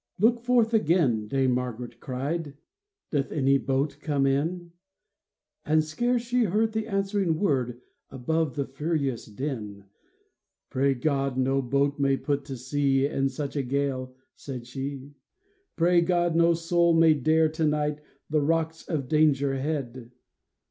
Look forth again," Dame Margaret cried ;'^ Doth any boat come in ?" And scarce she heard the answering word Above the furious din. *' Pray God no boat may put to sea In such a gale !" she said ;*' Pray God no soul may dare to night The rocks of Danger Head